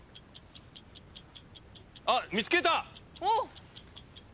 あっ見つけた！